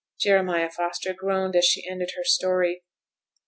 Jeremiah Foster groaned as she ended her story.